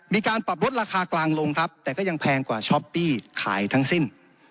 มีการปรับลดราคากลางลงครับแต่ก็ยังแพงกว่าช้อปปี้ขายทั้งสิ้น